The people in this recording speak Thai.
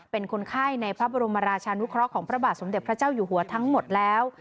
เป็นคนไข้ในพระบรมราชานุเคราะห์ของพระบาทสมเด็จพระเจ้าอยู่หัวทั้งหมดแล้ว